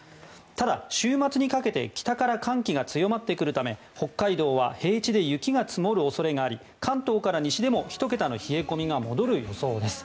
ただ、週末にかけて北から寒気が強まってくるため北海道は平地で雪が積もる恐れがあり関東から西でも１桁の冷え込みが戻る予想です。